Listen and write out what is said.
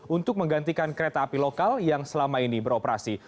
untuk menggantikan kereta api lokal yang selama ini beroperasi